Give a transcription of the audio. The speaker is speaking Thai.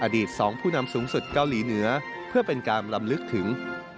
๒ผู้นำสูงสุดเกาหลีเหนือเพื่อเป็นการลำลึกถึง